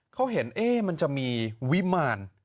เค้าเห็นเอ๊ะมันจะมีวิมาร